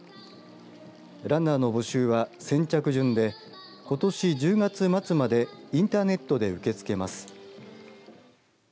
ランナーの募集は先着順でことし１０月末までインターネットで受け付けます。